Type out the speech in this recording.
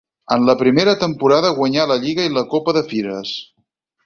En la primera temporada guanyà la lliga i la Copa de Fires.